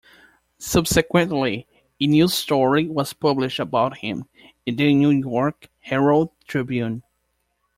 Subsequently, a news story was published about him in the "New York Herald-Tribune".